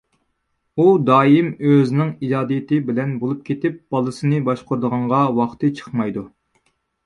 ئۇ دائىم ئۆزىنىڭ ئىجادىيىتى بىلەن بولۇپ كېتىپ بالىسىنى باشقۇرىدىغانغا ۋاقتى چىقمايدۇ.